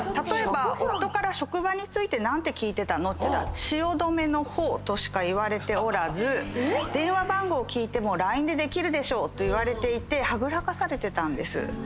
夫から職場について何て聞いてたの？って言ったら汐留の方としか言われておらず電話番号を聞いても「ＬＩＮＥでできるでしょ」と言われていてはぐらかされてたんです。